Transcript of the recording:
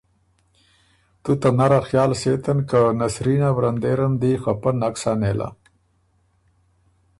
تُو ته نر ا خیال سېتن که نسرینه ورندېرم دی خپۀ نک سۀ نېلۀ